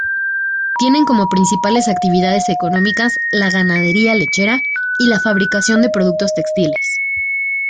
Tienen como principales actividades económicas la ganadería lechera y la fabricación de productos textiles.